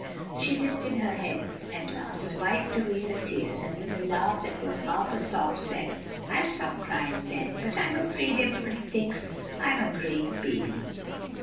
She lifted her head at last, wiped away her tears, and with a laugh that was half a sob, said, "I'll stop crying, then; but I'm afraid everybody thinks I'm a great baby."